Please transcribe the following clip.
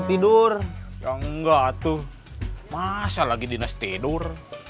enggak tuh masa lagi dinas tidur